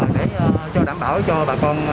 để đảm bảo cho bà con